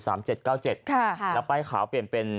แล้วป้ายขาวเปลี่ยนเป็น